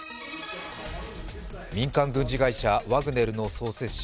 民間軍事会社ワグネルの創設者